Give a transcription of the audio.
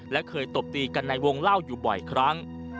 และเคยตบตีกันในวงเล่าอยู่บ่อยครั้ง